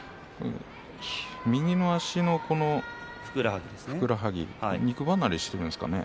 右の足のふくらはぎ肉離れしているんですかね。